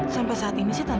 sampai saat ini sih tak ada